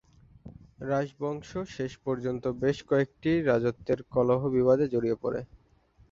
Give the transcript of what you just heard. রাজবংশ শেষ পর্যন্ত বেশ কয়েকটি রাজত্বের কলহ-বিবাদে জড়িয়ে পড়ে।